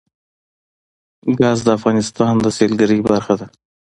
ګاز د افغانستان د سیلګرۍ برخه ده.